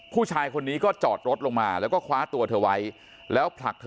ผู้ชายคนนี้ก็จอดรถลงมาแล้วก็คว้าตัวเธอไว้แล้วผลักเธอ